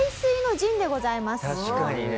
確かにね。